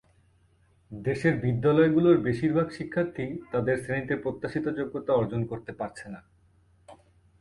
দেশের বিদ্যালয়গুলোর বেশির ভাগ শিক্ষার্থীই তাদের শ্রেণীতে প্রত্যাশিত যোগ্যতা অর্জন করতে পারছে না।